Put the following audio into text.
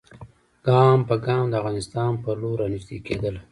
ګام په ګام د افغانستان پر لور را نیژدې کېدله.